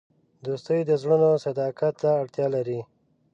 دوستي د زړونو صداقت ته اړتیا لري.